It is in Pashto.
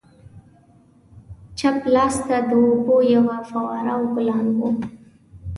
چپ لاسته د اوبو یوه فواره او ګلان وو.